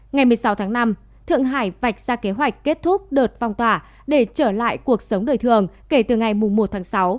ngày một mươi sáu tháng năm thượng hải vạch ra kế hoạch kết thúc đợt phong tỏa để trở lại cuộc sống đời thường kể từ ngày một tháng sáu